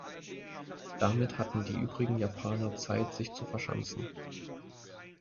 Damit hatten die übrigen Japaner Zeit sich zu verschanzen.